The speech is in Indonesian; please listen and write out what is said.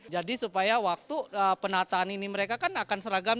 jadi supaya waktu penataan ini mereka kan akan seragam